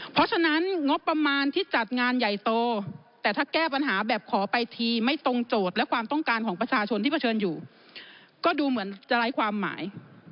เพราะฉะนั้นงบประมาณที่จัดงานใหญ่โตแต่ถ้าแก้ปัญหาแบบขอไปทีไม่ตรงโจทย์และความต้องการของประชาชนที่เผชิญอยู่ก็ดูเหมือนจะไร้ความหมาย